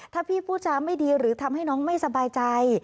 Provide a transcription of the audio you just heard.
ถ้าพี่พูดจาไม่ดีหรือทำให้น้องไม่สบายใจ